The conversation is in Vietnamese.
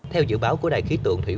theo dự báo của đài khí tượng thủy